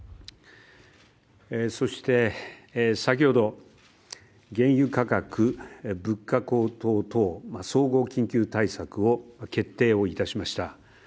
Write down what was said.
そして、先ほど原油価格・物価高騰等、総合緊急対策を決定をいたしました。